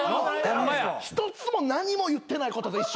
一つも何も言ってないことと一緒。